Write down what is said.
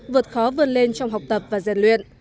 vượt khó vươn lên trong học tập và rèn luyện